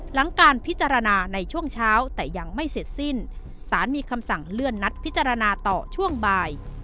หลังการพิจารณาในช่วงเช้าแต่ยังไม่เสร็จสิ้นสารมีคำสั่งเลื่อนนัดพิจารณาต่อช่วงบ่าย